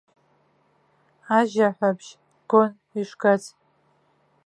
Ажьаҳәабжь гон ишгац.